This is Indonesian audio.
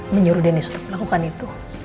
menyuruh deniz untuk melakukan itu